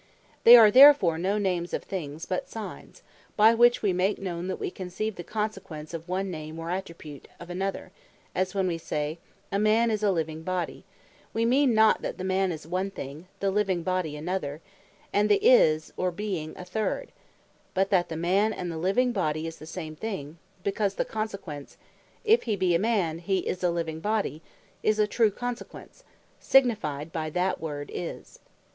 They are therefore no Names of Things; but Signes, by which wee make known, that wee conceive the Consequence of one name or Attribute to another: as when we say, "a Man, is, a living Body," wee mean not that the Man is one thing, the Living Body another, and the Is, or Beeing a third: but that the Man, and the Living Body, is the same thing: because the Consequence, "If hee bee a Man, hee is a living Body," is a true Consequence, signified by that word Is.